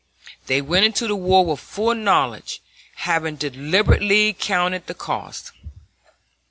They went into the war with full knowledge, having deliberately counted the cost.